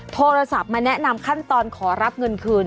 โทรศัพท์มาแนะนำขั้นตอนขอรับเงินคืน